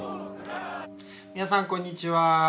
皆さんこんにちは。